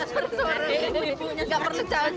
sore sore ibu ibunya nggak perlu jauh jauh berginya